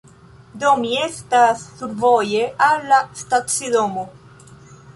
Do mi estas survoje al la stacidomo